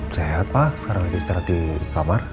sehat pak sekarang lagi istirahat di kamar